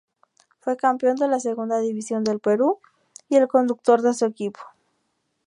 Fue campeón de la Segunda División del Perú y el conductor de su equipo.